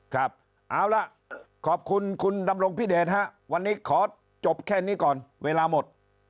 ครับเอาล่ะขอบคุณคุณดำรงพิเดชฮะวันนี้ขอจบแค่นี้ก่อนเวลาหมด